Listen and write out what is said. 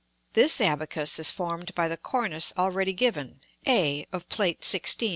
This abacus is formed by the cornice already given, a, of Plate XVI.